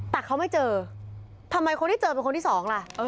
แต่เขาไม่เจอทำไมคนที่เจอเป็นคนที่สองล่ะ